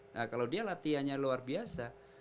nah kalau dia latihannya luar biasa